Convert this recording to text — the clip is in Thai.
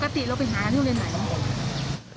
ปกติเราไปหาโรงเรียนไหน